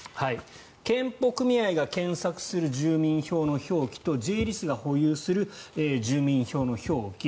健保組合が検索する住民票の表記とＪ−ＬＩＳが保有する住民票の表記。